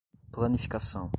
Planificação